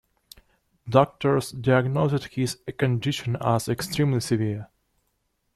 Doctors diagnosed his condition as "extremely severe".